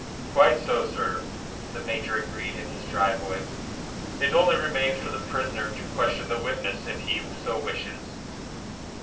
"Quite so, sir," the major agreed in his dry voice. "It only remains for the prisoner to question the witness if he so wishes."